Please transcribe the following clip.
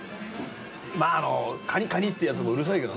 まあカニカニってヤツもうるさいけどね。